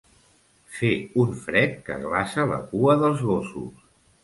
Fer un fred que glaça la cua dels gossos.